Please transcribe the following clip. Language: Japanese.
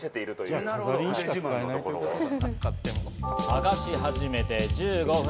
探し始めて１５分。